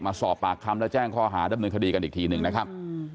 มาสอบปากคำและแจ้งข้อหาดำเนินคดีกันอีกทีหนึ่งนะครับ